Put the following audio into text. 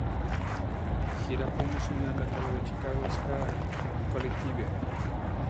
Gira promocional a cargo de "Chicago Ska Collective".